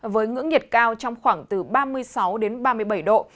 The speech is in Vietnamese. với ngưỡng nhiệt cao trong khoảng từ ba mươi sáu đến ba mươi bảy độ